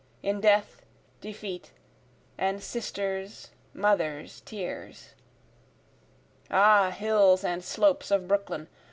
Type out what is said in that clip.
In death, defeat, and sisters', mothers' tears. Ah, hills and slopes of Brooklyn!